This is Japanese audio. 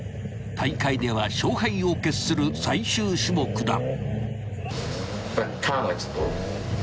［大会では勝敗を決する最終種目だ］